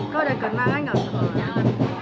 kau sudah kenal kan tidak bisa menolak